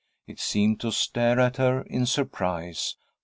It seemed to stare at her in surprise.